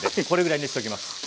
これぐらいにしときます。